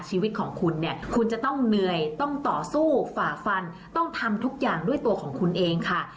ชีวิตของคุณเนี่ยคุณจะต้องเหนื่อยต้องต่อสู้ฝ่าฟันต้องทำทุกอย่างด้วยตัวของคุณเองค่ะ